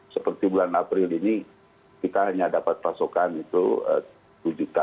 seperti bulan april ini kita hanya dapat pasokan itu satu juta